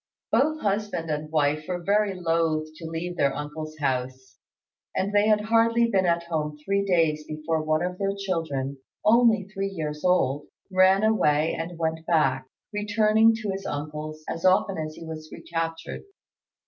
Both husband and wife were very loth to leave their uncle's house, and they had hardly been at home three days before one of their children, only three years old, ran away and went back, returning to his great uncle's as often as he was recaptured.